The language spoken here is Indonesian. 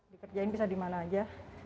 dikerjain bisa dimana aja